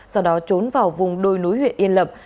sau đó trốn vào vùng đôi núi huyện yên lập